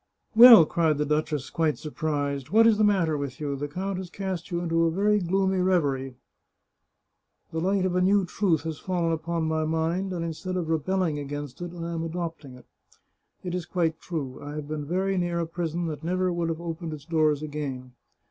" Well," cried the duchess, quite surprised, " what is the matter with you? The count has cast you into a very gloomy reverie." " The light of a new truth has fallen upon my mind, and instead of rebelling against it, I am adopting it. It is quite true. I have been very near a prison that never would have opened its doors again.